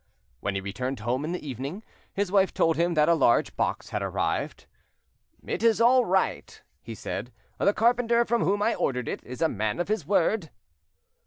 When he returned home in the evening, his wife told him that a large box had arrived. "It is all right," he said, "the carpenter from whom I ordered it is a man of his word."